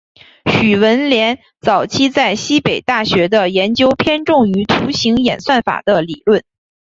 许闻廉早期在西北大学的研究偏重于图形演算法的理论。